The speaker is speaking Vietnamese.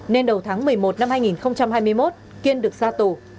nên đầu tháng một mươi một năm hai nghìn hai mươi một kiên được ra tù